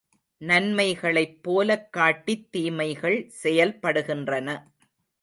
நன்மைகளைப்போலக் காட்டித் தீமைகள் செயல்படுகின்றன.